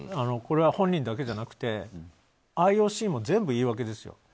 これは本人だけじゃなくてＩＯＣも全部言い訳ですよ。